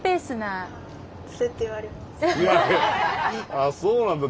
あっそうなんだ。